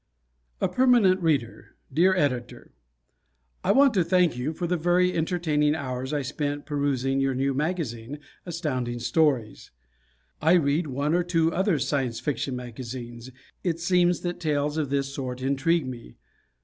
A Permanent Reader Dear Editor: I want to thank you for the very entertaining hours I spent perusing your new magazine, Astounding Stories. I read one or two other Science Fiction magazines it seems that tales of this sort intrigue me.